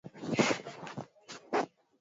mnarudi kwenye kufanya kazi Kupigania maslahi ya